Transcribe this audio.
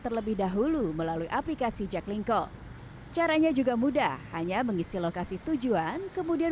terlebih dahulu melalui aplikasi jaklingko caranya juga mudah hanya mengisi lokasi tujuan kemudian